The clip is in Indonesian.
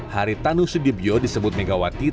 haritanu sudibyo disebut megawati